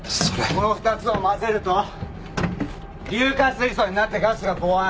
この２つを混ぜると硫化水素になってガスがぼわーん。